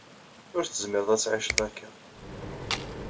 Ur tezmireḍ ad tɛiceḍ akka.